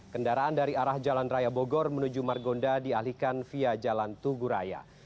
kendaraan dari arah jalan raya bogor menuju margonda dialihkan via jalan tuguraya